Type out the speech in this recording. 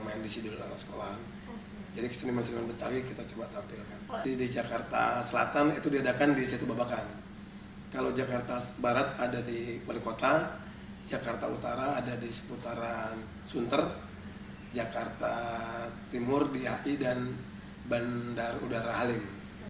kalau jakarta barat ada di balai kota jakarta utara ada di seputaran sunter jakarta timur di ai dan bandar udara halim